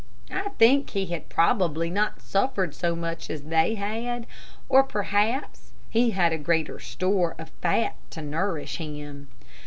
I think he had probably not suffered so much as they had, or perhaps he had had a greater store of fat to nourish him.